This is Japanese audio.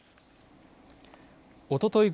おととい